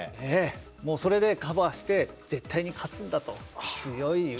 ええもうそれでカバーして絶対に勝つんだと強い。